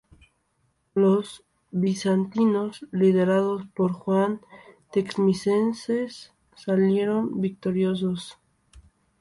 Los bizantinos, liderados por Juan I Tzimisces, salieron victoriosos.